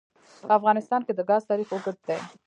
په افغانستان کې د ګاز تاریخ اوږد دی.